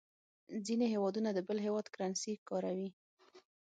ځینې هېوادونه د بل هېواد کرنسي کاروي.